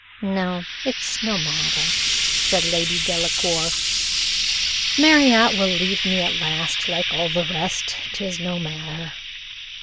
"No, it's no matter," said Lady Delacour; "Marriott will leave me at the last, like all the rest 'tis no matter."